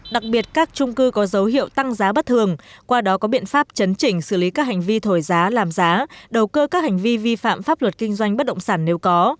đặc biệt các trung cư có dấu hiệu tăng giá bất thường qua đó có biện pháp chấn chỉnh xử lý các hành vi thổi giá làm giá đầu cơ các hành vi vi phạm pháp luật kinh doanh bất động sản nếu có